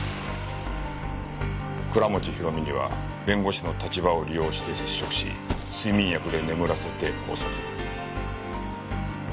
倉持広美には弁護士の立場を利用して接触し睡眠薬で眠らせて絞殺。